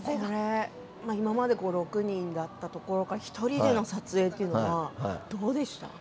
今まで６人だったところが１人での撮影ってどうでした？